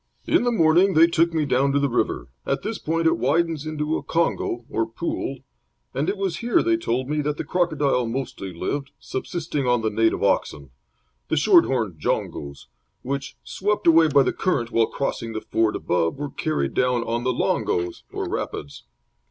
"In the morning they took me down to the river. At this point it widens into a kongo, or pool, and it was here, they told me, that the crocodile mostly lived, subsisting on the native oxen the short horned jongos which, swept away by the current while crossing the ford above, were carried down on the longos, or rapids.